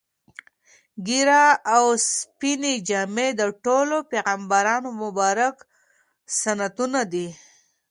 ږیره او سپینې جامې د ټولو پیغمبرانو مبارک سنتونه دي.